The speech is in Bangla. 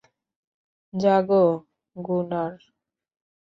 জাগো, গুনার।